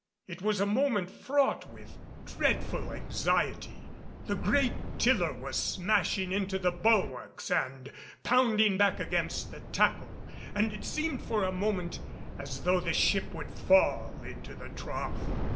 It was a moment fraught with dreadful anxiety. The great tiller was smashing into the bulwarks and pounding back against the tackle, and it seemed for a moment as though the ship would fall into the trough.